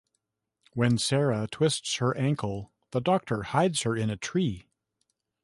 When Sarah twists her ankle, the Doctor hides her in a tree.